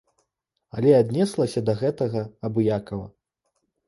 Але аднеслася да гэтага абыякава.